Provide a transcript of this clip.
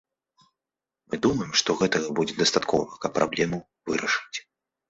Мы думаем, што гэтага будзе дастаткова, каб праблему вырашыць.